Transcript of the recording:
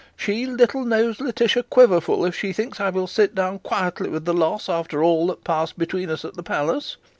She little knows Letitia Quiverful, if she thinks I will sit down quietly with the loss after all that passed between us at the palace.